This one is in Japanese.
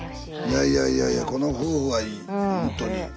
いやいやいやいやこの夫婦はいいほんとに。